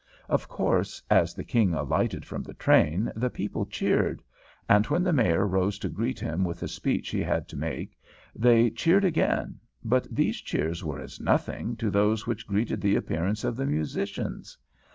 Of course, as the King alighted from the train the people cheered, and, when the Mayor rose to greet him with the speech he had to make, they cheered again, but these cheers were as nothing to those which greeted the appearance of the musicians.